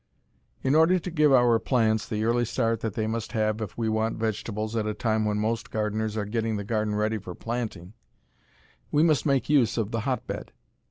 In order to give our plants the early start that they must have if we want vegetables at a time when most gardeners are getting the garden ready for planting, we must make use of the hotbed.